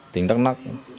tỉnh đắk lóc